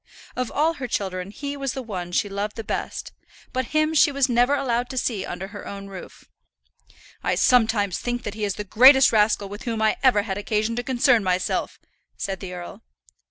Of all her children he was the one she loved the best; but him she was never allowed to see under her own roof. "I sometimes think that he is the greatest rascal with whom I ever had occasion to concern myself," said the earl.